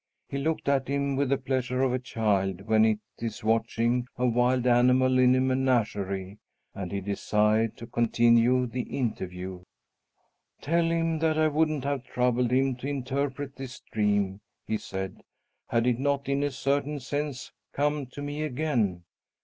He looked at him with the pleasure of a child when it is watching a wild animal in a menagerie, and he desired to continue the interview. "Tell him that I wouldn't have troubled him to interpret this dream," he said, "had it not, in a certain sense, come to me again.